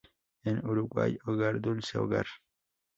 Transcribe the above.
En Uruguay, "Hogar Dulce Hogar".